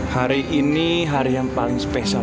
hari ini hari yang paling spesial